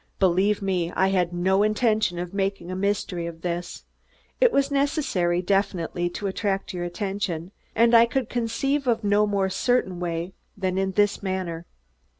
Believe me, I had no intention of making a mystery of this. It was necessary definitely to attract your attention, and I could conceive of no more certain way than in this manner.